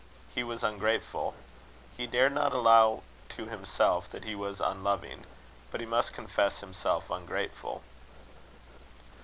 He was ungrateful. He dared not allow to himself that he was unloving; but he must confess himself ungrateful.